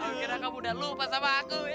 akhirnya kamu udah lupa sama aku ya kan